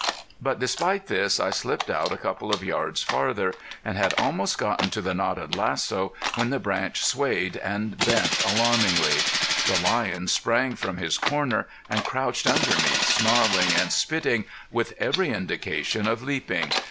But despite this I slipped out a couple of yards farther, and had almost gotten to the knotted lasso, when the branch swayed and bent alarmingly. The lion sprang from his corner and crouched under me snarling and spitting, with every indication of leaping.